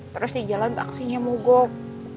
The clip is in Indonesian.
terus di jalan aksinya mogok